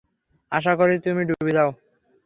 আশা করি তুমি ডুবে যাও।